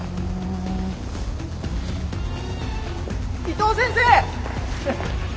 伊藤先生！